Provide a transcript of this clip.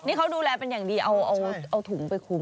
นี่เขาดูแลเป็นอย่างดีเอาถุงไปคุม